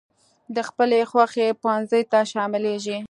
د خپلې خوښي پونځي ته شاملېږي.